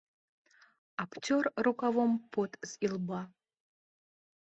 Абцёр рукавом пот з ілба.